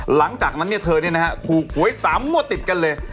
หลังจากนั้นเธอถูกหวย๓งวดติดกันเลย